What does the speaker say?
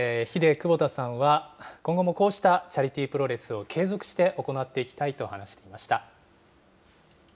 ヒデ久保田さんは、今後もこうしたチャリティープロレスを継続して行っていきたいと話していました。